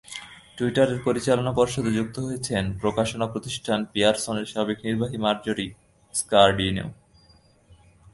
টুইটারের পরিচালনা পর্ষদে যুক্ত হয়েছেন প্রকাশনা প্রতিষ্ঠান পিয়ারসনের সাবেক নির্বাহী মার্জরি স্কারডিনো।